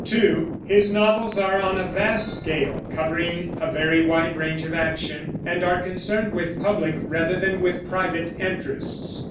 (2) His novels are on a vast scale, covering a very wide range of action, and are concerned with public rather than with private interests.